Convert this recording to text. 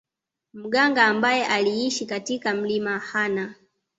Mganga ambaye aliishi katika mlima Hanah